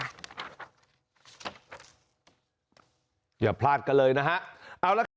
อย่าพลาดกันเลยนะฮะเอาล่ะ